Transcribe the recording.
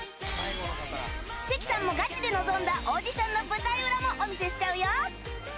関さんもガチで臨んだオーディションの舞台裏もお見せしちゃうよ。